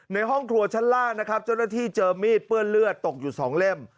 ในห้องครัวชั้นล่างนะครับเจ้าหน้าที่เจอมีดเปื้อนเลือดตกอยู่๒เล่ม